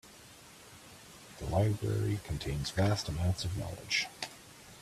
The library contains vast amounts of knowledge.